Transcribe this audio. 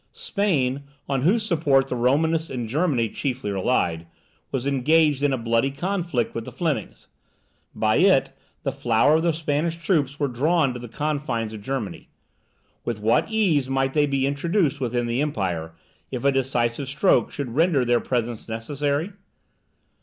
Spain, on whose support the Romanists in Germany chiefly relied, was engaged in a bloody conflict with the Flemings. By it, the flower of the Spanish troops were drawn to the confines of Germany. With what ease might they be introduced within the empire, if a decisive stroke should render their presence necessary?